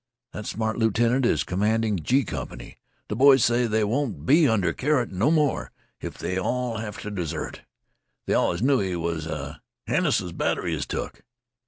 That smart lieutenant is commanding 'G' Company. Th' boys say they won't be under Carrott no more if they all have t' desert. They allus knew he was a " "Hannises' batt'ry is took."